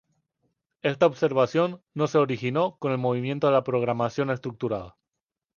Esta observación no se originó con el movimiento de la programación estructurada.